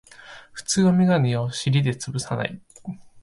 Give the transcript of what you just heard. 普通はメガネを尻でつぶさない